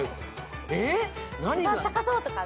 一番高そうとか。